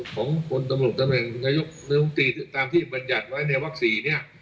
ของคนตำรวจตำแหน่งนายกน้ำตรีตามที่บรรยัติไว้ในวัคซีนเนี่ย